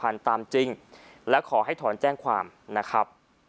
ไปให้๖๐๐๐บาทตามจริงและขอให้ถอนแจ้งความนะครับ